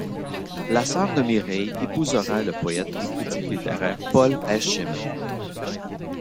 La soeur de Mireille épousera le poète et critique littéraire Paul Aeschimann.